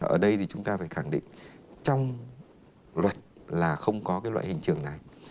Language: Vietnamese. ở đây chúng ta phải khẳng định trong luật là không có loại hình trường này